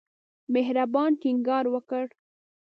مهربان ټینګار وکړ.